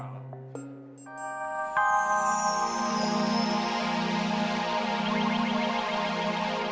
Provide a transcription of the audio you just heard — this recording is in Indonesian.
lo makan aja sendiri